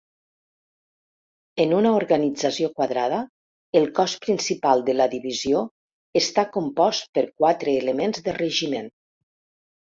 En una organització quadrada, el cos principal de la divisió està compost per quatre elements de regiment.